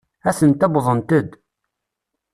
Atent-a wwḍent-d.